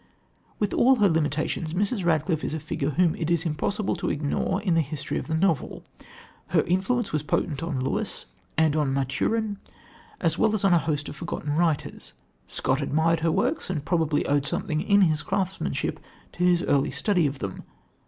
With all her limitations, Mrs. Radcliffe is a figure whom it is impossible to ignore in the history of the novel. Her influence was potent on Lewis and on Maturin as well as on a host of forgotten writers. Scott admired her works and probably owed something in his craftsmanship to his early study of them.